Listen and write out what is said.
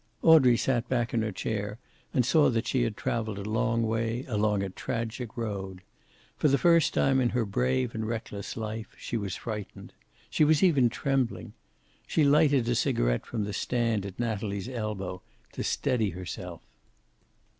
Audrey sat back in her chair and saw that she had traveled a long way along a tragic road. For the first time in her brave and reckless life she was frightened. She was even trembling. She lighted a cigaret from the stand at Natalie's elbow to steady herself.